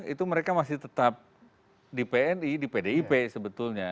itu mereka masih tetap di pni di pdip sebetulnya